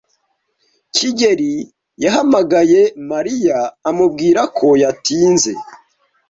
kigeli yahamagaye Mariya amubwira ko yatinze.